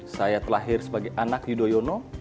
saya terlahir sebagai anak yudhoyono